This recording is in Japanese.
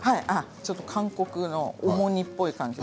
ちょっと韓国のオモニっぽい感じで。